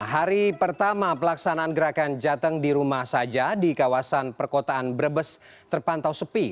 hari pertama pelaksanaan gerakan jateng di rumah saja di kawasan perkotaan brebes terpantau sepi